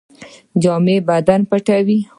جامې بدن پټوي